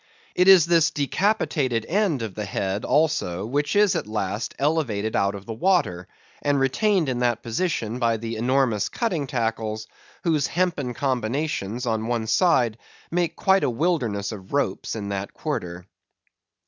It is this decapitated end of the head, also, which is at last elevated out of the water, and retained in that position by the enormous cutting tackles, whose hempen combinations, on one side, make quite a wilderness of ropes in that quarter.